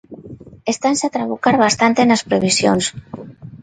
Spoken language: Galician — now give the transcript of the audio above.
Estanse a trabucar bastante nas previsións.